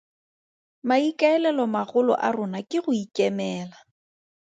Maikaelelo magolo a rona ke go ikemela.